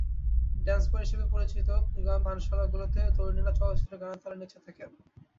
Dance bar হিসেবে পরিচিত পানশালাগুলোতে তরুণীরা চলচ্চিত্রের গানের তালে নেচে থাকেন।